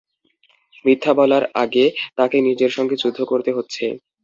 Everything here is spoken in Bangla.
মিথ্যা বলার আগে তাকে নিজের সঙ্গে যুদ্ধ করতে হচ্ছে।